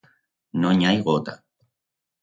No n'i hai gota.